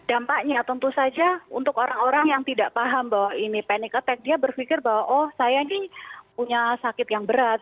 dampaknya tentu saja untuk orang orang yang tidak paham bahwa ini panic attack dia berpikir bahwa oh saya ini punya sakit yang berat